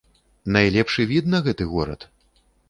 Найлепшы від на гэты горад?